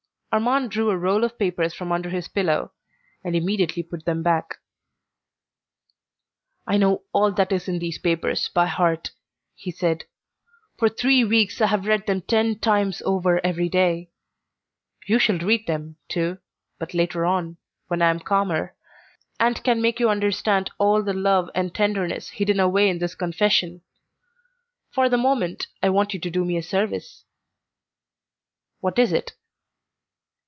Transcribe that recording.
Armand drew a roll of papers from under his pillow, and immediately put them back. "I know all that is in these papers by heart," he said. "For three weeks I have read them ten times over every day. You shall read them, too, but later on, when I am calmer, and can make you understand all the love and tenderness hidden away in this confession. For the moment I want you to do me a service." "What is it?"